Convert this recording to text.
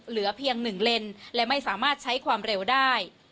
เหลือเพียง๑เลนและไม่สามารถใช้ความเร็วได้